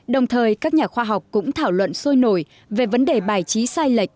đồng thời các nhà khoa học cũng thảo luận sôi nổi về vấn đề bài trí sai lệch